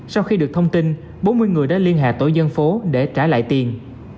sau khi được thông tin bốn mươi người đã liên hệ tổ dân phố để trả lại tiền